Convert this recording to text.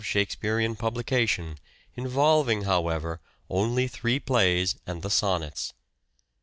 1608 9 Shakespearean publication involving, however, only three plays and the Sonnets.